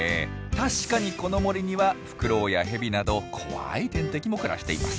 確かにこの森にはフクロウやヘビなど怖い天敵も暮らしています。